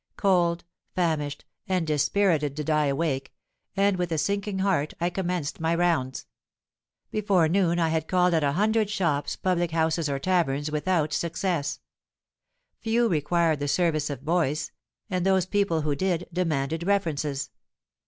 Cold, famished, and dispirited did I awake; and with a sinking heart I commenced my rounds. Before noon I had called at a hundred shops, public houses, or taverns, without success. Few required the service of boys; and those people who did, demanded references.